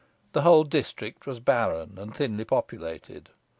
The whole district was barren and thinly populated.